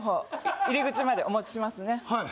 入り口までお持ちしますね